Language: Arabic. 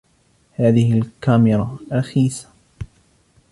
هذه الكاميرا رخيصة.